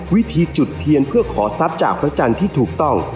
วิธีจุดเทียนเพื่อขอทรัพย์จากพระจันทร์ที่ถูกต้อง